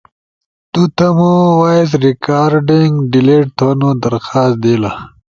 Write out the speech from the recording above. تو تمو وائس ریکارڈنگ ڈیلیٹ تھونو درخواست دیلا